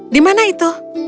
di mana itu